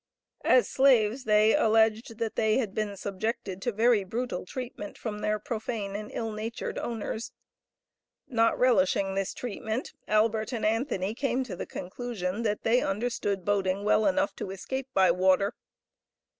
As slaves they alleged that they had been subjected to very brutal treatment from their profane and ill natured owners. Not relishing this treatment, Albert and Anthony came to the conclusion that they understood boating well enough to escape by water.